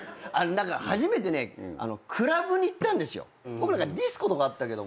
僕ディスコとかあったけど。